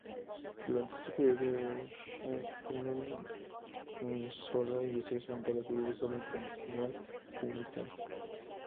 Durante este periodo, Shachtman comenzó la investigación para un libro sobre la Internacional Comunista.